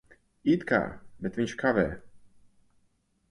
It kā. Bet viņš kavē.